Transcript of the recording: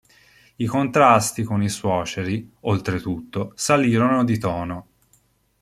I contrasti con i suoceri, oltretutto, salirono di tono.